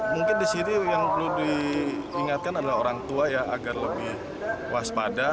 mungkin di sini yang perlu diingatkan adalah orang tua ya agar lebih waspada